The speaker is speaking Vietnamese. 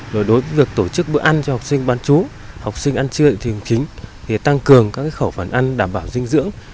rồi đối với việc tổ chức bữa ăn cho học sinh bán chú học sinh ăn trưa thì tăng cường các khẩu phần ăn đảm bảo dinh dưỡng